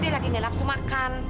dia lagi nge lapsu makan